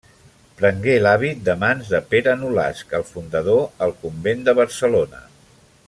Prengué l'hàbit de mans de Pere Nolasc, el fundador, al convent de Barcelona.